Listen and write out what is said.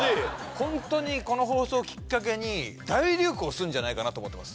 ホントにこの放送をきっかけに大流行するんじゃないかなと思ってます